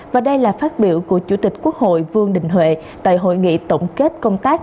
và đây là phát biểu của chủ tịch quốc hội vương đình huệ tại hội nghị tổng kết công tác